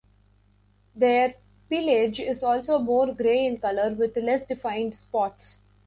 Their pelage is also more gray in colour with less defined spots.